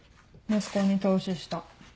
息子に投資した。